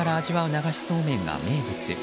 流しそうめんが名物。